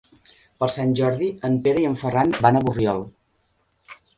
Per Sant Jordi en Pere i en Ferran van a Borriol.